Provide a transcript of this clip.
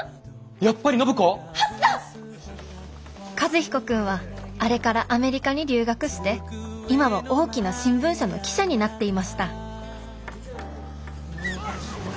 和彦君はあれからアメリカに留学して今は大きな新聞社の記者になっていました